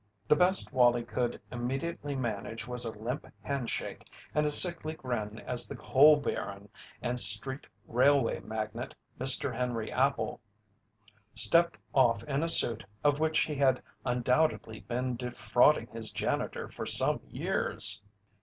The best Wallie could immediately manage was a limp handshake and a sickly grin as the coal baron and street railway magnate, Mr. Henry Appel, stepped off in a suit of which he had undoubtedly been defrauding his janitor for some years.